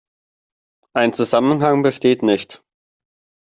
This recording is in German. Ein Zusammenhang besteht nicht.